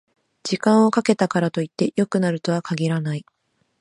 時間をかけたからといって良くなるとは限らない